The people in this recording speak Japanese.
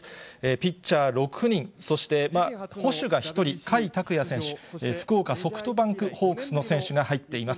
ピッチャー６人、そして捕手が１人、甲斐拓也選手、福岡ソフトバンクホークスの選手が入っています。